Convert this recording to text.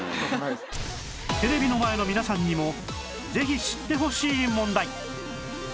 テレビの前の皆さんにもぜひ知ってほしい問題